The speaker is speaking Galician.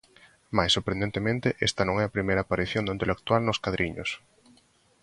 Mais sorprendentemente esta non é a primeira aparición do intelectual nos cadriños.